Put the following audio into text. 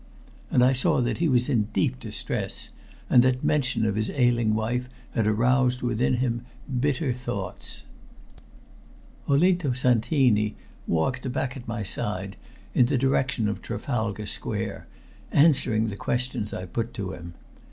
And I saw that he was in deep distress, and that mention of his ailing wife had aroused within him bitter thoughts. Olinto Santini walked back at my side in the direction of Trafalgar Square, answering the questions I put to him.